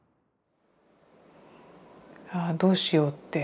ああどうしようって。